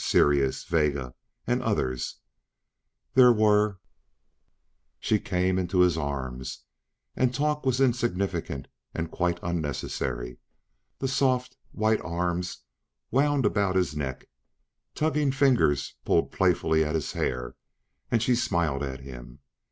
Sirius, Vega and others. There were... ... She came into his arms and talk was insignificant and quite unnecessary. The soft, white arms wound about his neck, tugging fingers pulled playfully at his hair and she smiled at him.